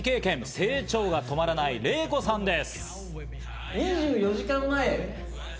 成長が止まらないレイコさんです。